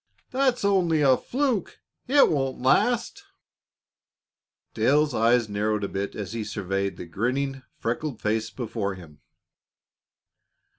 "That was only a fluke; it won't last." Dale's eyes narrowed a bit as he surveyed the grinning, freckled face before him.